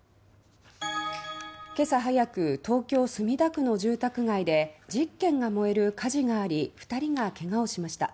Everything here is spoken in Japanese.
けさ早く東京・墨田区の住宅街で１０軒が燃える火事があり２人がけがをしました。